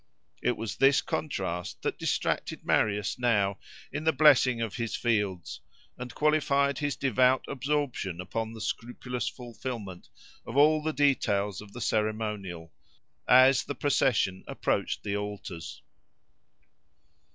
It was this contrast that distracted Marius now in the blessing of his fields, and qualified his devout absorption upon the scrupulous fulfilment of all the details of the ceremonial, as the procession approached the altars.